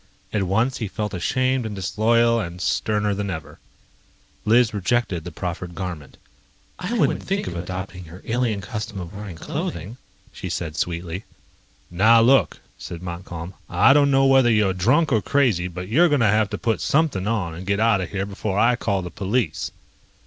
At once, he felt ashamed and disloyal and sterner than ever. Liz rejected the proffered garment. "I wouldn't think of adopting your alien custom of wearing clothing," she said sweetly. "Now look," said Montcalm, "I don't know whether you're drunk or crazy, but you're going to have to put something on and get out of here before I call the police."